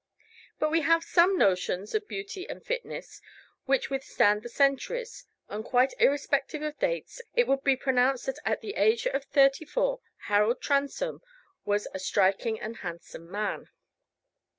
But we have some notions of beauty and fitness which withstand the centuries; and quite irrespective of dates, it would be pronounced that at the age of thirty four Harold Transome was a striking and handsome man.